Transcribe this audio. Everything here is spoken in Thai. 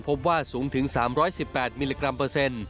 พบว่าสูงถึง๓๑๘มิลลิกรัมเปอร์เซ็นต์